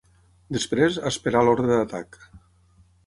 Després, a esperar l'ordre d'atac